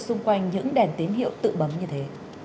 xung quanh những đèn tín hiệu tự bấm như thế